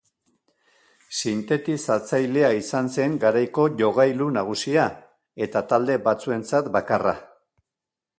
Sintetizatzailea izan zen garaiko jogailu nagusia, eta talde batzuentzat, bakarra.